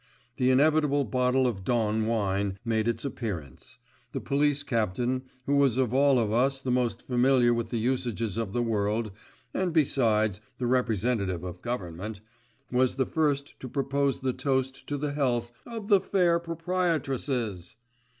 The inevitable bottle of Don wine made its appearance. The police captain, who was of all of us the most familiar with the usages of the world, and besides, the representative of government, was the first to propose the toast to the health 'of the fair proprietresses!